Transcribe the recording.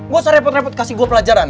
ga usah repot repot kasih gue pelajaran